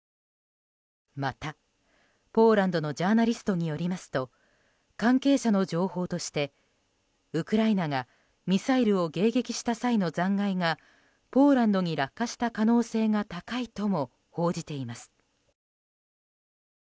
また、ポーランドのジャーナリストによりますと関係者の情報としてウクライナがミサイルを迎撃した際の残骸がポーランドに落下した可能性が高いとも報じています。